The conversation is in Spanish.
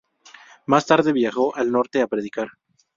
Más tarde viajó al norte a predicar.